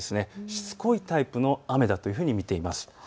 しつこいタイプの雨だというふうに見ています。